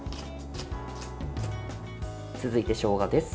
続いて、しょうがです。